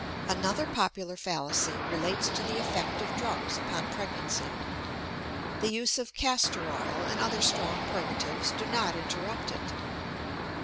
Another popular fallacy relates to the effect of drugs upon pregnancy. The use of castor oil and other strong purgatives do not interrupt it.